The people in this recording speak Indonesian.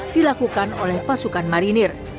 dilakukan oleh kri parang enam ratus empat puluh tujuh